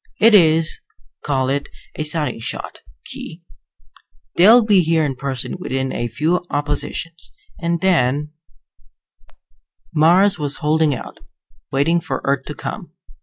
It is call it a sighting shot, Khee. They'll be here in person within a few oppositions. And then " Mars was holding out, waiting for Earth to come.